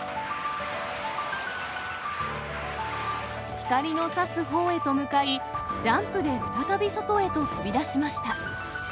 光のさす方へと向かい、ジャンプで再び外へと飛び出しました。